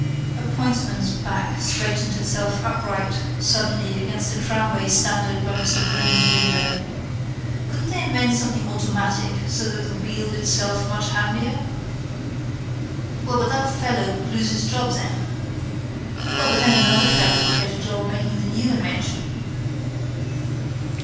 A pointsman's back straightened itself upright suddenly against a tramway standard by Mr Bloom's window. Couldn't they invent something automatic so that the wheel itself much handier? Well but that fellow would lose his job then? Well but then another fellow would get a job making the new invention?